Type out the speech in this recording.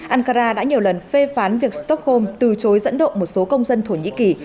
ankara đã nhiều lần phê phán việc stockholm từ chối dẫn độ một số công dân thổ nhĩ kỳ